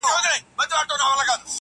اوړه اوبه او مالګه ډوډۍ جوړوي.